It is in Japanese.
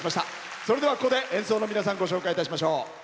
それでは、ここで演奏の皆さんご紹介いたしましょう。